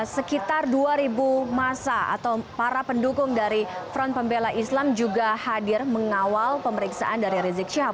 sekitar dua masa atau para pendukung dari front pembela islam juga hadir mengawal pemeriksaan dari rizik syihab